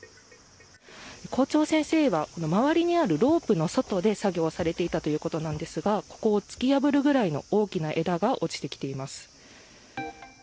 校長先生は周りにあるロープの外で作業されていたということなんですがここを突き破るぐらいの大きな枝が落ちてきています。